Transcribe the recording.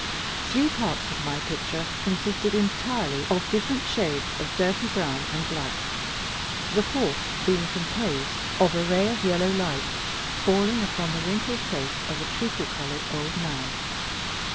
Three parts of my picture consisted entirely of different shades of dirty brown and black; the fourth being composed of a ray of yellow light falling upon the wrinkled face of a treacle colored old man.